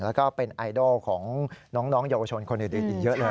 แล้วก็เป็นไอดอลของน้องเยาวชนคนอื่นอีกเยอะเลย